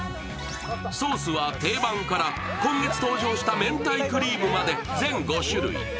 ソースは定番から今月登場した明太クリームまで全５種類。